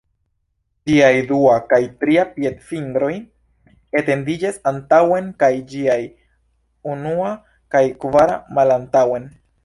Ĝiaj dua kaj tria piedfingroj etendiĝas antaŭen kaj ĝiaj unua kaj kvara malantaŭen.